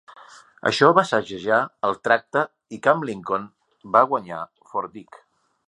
Això va segellar el tracte i Camp Lincoln va guanyar Fort Dick.